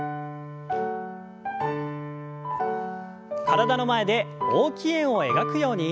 体の前で大きい円を描くように。